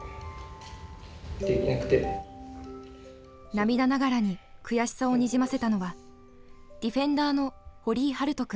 涙ながらに悔しさをにじませたのはディフェンダーの堀井遥斗君。